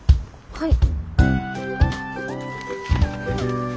はい。